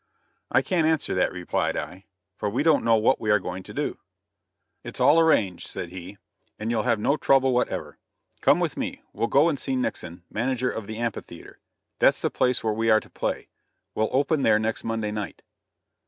"I can't answer that," replied I, "for we don't know what we are going to do." "It's all arranged," said he, "and you'll have no trouble whatever. Come with me. We'll go and see Nixon, manager of the Amphitheatre. That's the place where we are to play. We'll open there next Monday night."